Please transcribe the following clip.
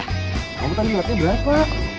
kamu tadi rt berapa